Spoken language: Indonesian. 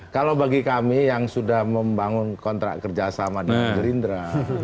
kalau bagi kami yang sudah membangun kontrak kerjasama di gerindra